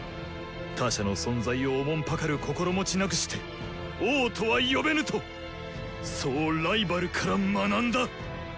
他者の存在をおもんぱかる心持ちなくして王とは呼べぬとそうライバルから学んだ！